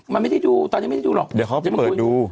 มันไม่ได้ดูตอนนี้ไม่ได้ดูหรอกเดี๋ยวเขาจะเปิดดู